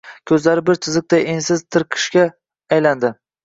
Ko‘zlari bir chiziqday ensiz tirqishga aylandi.